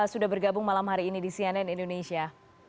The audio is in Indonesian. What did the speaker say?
sudah bergabung malam hari ini di cnn indonesia